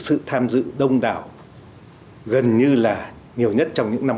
với sự tham dự đông đảo gần như là nhiều nhất trong những thị trấn